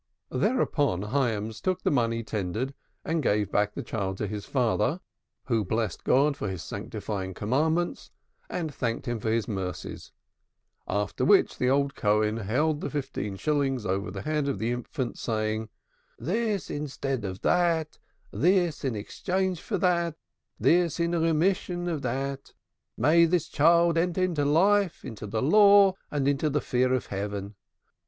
Thereupon Hyams took the money tendered, and gave back the child to his father, who blessed God for His sanctifying commandments, and thanked Him for His mercies; after which the old Cohen held the fifteen shillings over the head of the infant, saying: "This instead of that, this in exchange for that, this in remission of that. May this child enter into life, into the Law, and into the fear of Heaven.